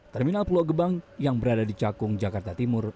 terminal pulau gebang yang berada di cakung jakarta timur